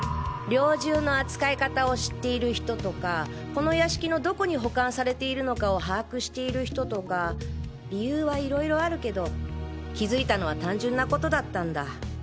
猟銃の扱い方を知っている人とかこの屋敷のどこに保管されているのかを把握している人とか理由はいろいろあるけど気づいたのは単純なことだったんだ。